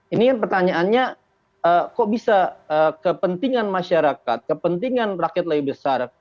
ini kan pertanyaannya kok bisa kepentingan masyarakat kepentingan rakyat lebih besar